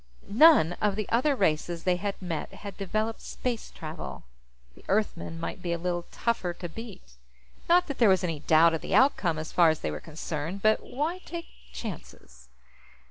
None of the other races they had met had developed space travel; the Earthmen might be a little tougher to beat. Not that there was any doubt of the outcome, as far as they were concerned but why take chances?